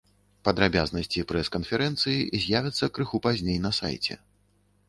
Падрабязнасці прэс-канферэнцыі з'явяцца крыху пазней на сайце.